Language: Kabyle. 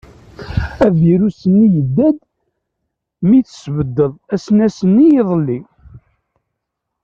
Avrius-nni yedda-d mi tesbeddeḍ asnas-nni iḍelli.